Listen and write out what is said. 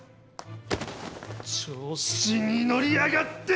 調子に乗りやがって！